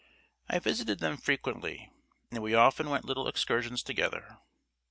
I visited them frequently, and we often went little excursions together.